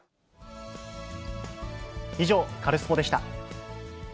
以上、カルスポっ！でした。